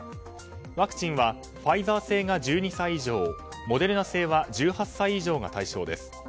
ワクチンはファイザー製は１２歳以上モデルナ製は１８歳以上が対象です。